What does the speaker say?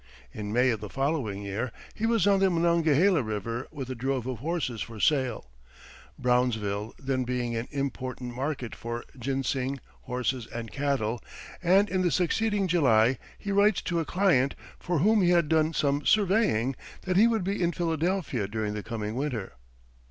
In May of the following year he was on the Monongahela River with a drove of horses for sale, Brownsville then being an important market for ginseng, horses, and cattle; and in the succeeding July he writes to a client, for whom he had done some surveying, that he would be in Philadelphia during the coming winter.